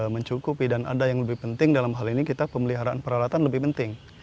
mencukupi dan ada yang lebih penting dalam hal ini kita pemeliharaan peralatan lebih penting